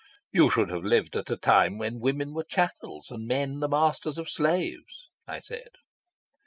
"You should have lived at a time when women were chattels and men the masters of slaves," I said.